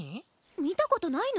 見たことないの？